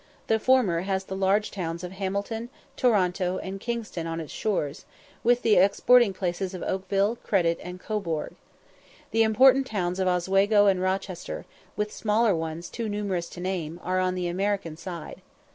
The former has the large towns of Hamilton, Toronto, and Kingston on its shores, with the exporting places of Oakville, Credit, and Cobourg. The important towns of Oswego and Rochester, with smaller ones too numerous to name, are on the American side.